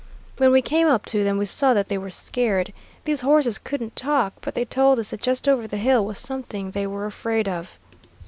When we came up to them, we saw that they were scared. These horses couldn't talk, but they told us that just over the hill was something they were afraid of.